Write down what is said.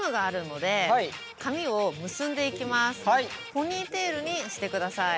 ポニーテールにしてください。